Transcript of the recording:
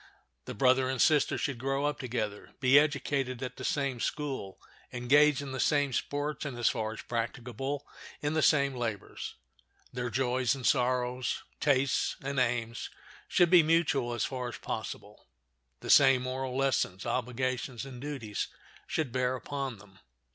The brother and sister should grow up together, be educated at the same school, engage in the same sports, and, as far as practicable, in the same labors. Their joys and sorrows, tastes and aims, should be mutual as far as possible. The same moral lessons, obligations, and duties should bear upon them.